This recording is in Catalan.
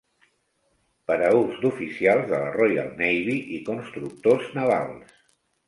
Per a ús d"oficials de la Royal Navy i constructors navals.